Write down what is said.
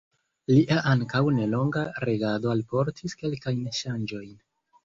Lia ankaŭ nelonga regado alportis kelkajn ŝanĝojn.